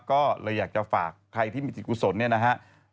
ก็เลยอยากจะฝากใครที่มีจิตกุศลเนี่ยนะฮะ